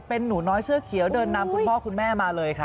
เป็นหนูน้อยเสื้อเขียวเดินนำคุณพ่อคุณแม่มาเลยครับ